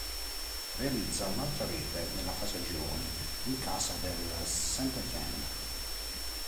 Realizza un'altra rete nella fase a gironi, in casa del Saint-Étienne.